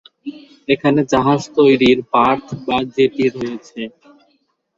এখানে দুটি জাহাজ তৈরির বার্থ বা জেটি রয়েছে।